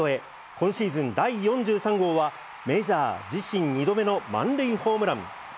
今シーズン第４３号は、メジャー自身２度目の満塁ホームラン。